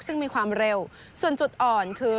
ซึ่งมีความเร็วส่วนจุดอ่อนคือ